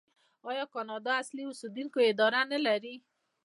آیا کاناډا د اصلي اوسیدونکو اداره نلري؟